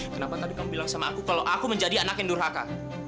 kenapa tadi kamu bilang sama aku kalau aku menjadi anak yang durhaka